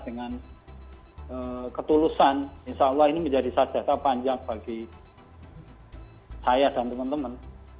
dengan ketulusan insya allah ini menjadi sajasa panjang bagi saya dan teman teman